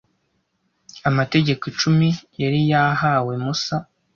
Amategeko Icumi yari yahawe Musa